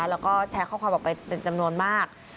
แล้วก็แชร์ข้อความออกไปเป็นจำนวนมาก